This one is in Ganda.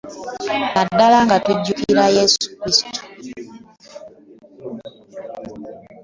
Naddala nga tujjukira Yesu Kristo.